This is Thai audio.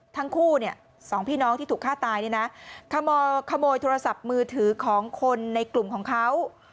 ทั้งคู่เนี่ยสองพี่น้องที่ถูกฆ่าตายเนี่ยนะขโมยโทรศัพท์มือถือของคนในกลุ่มของเขา